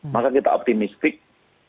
maka kita optimistik dengan sistem ini